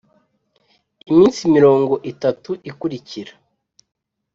iminsi mirongo itatu ikurikira